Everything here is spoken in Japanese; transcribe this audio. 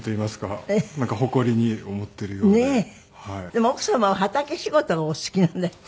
でも奥様は畑仕事がお好きなんだって？